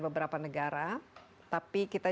beberapa negara tapi kita